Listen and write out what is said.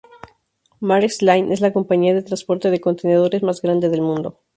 Maersk Line es la compañía de transporte de contenedores más grande del mundo.